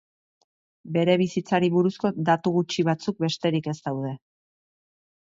Bere bizitzari buruzko datu gutxi batzuk besterik ez daude.